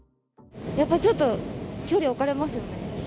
やっぱちょっと、距離置かれます。